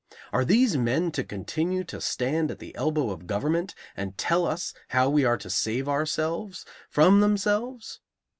Are these men to continue to stand at the elbow of government and tell us how we are to save ourselves, from themselves?